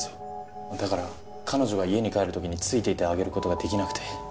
だから彼女が家に帰る時についていてあげる事ができなくて。